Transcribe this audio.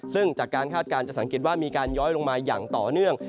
ซึ่งจากการคาดการณ์จะสังเกตว่ามีการย้อยลงมาอย่างต่อเนื่อง